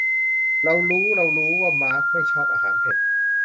เรารู้เรารู้ว่ามาร์คไม่ชอบอาหารเผ็ด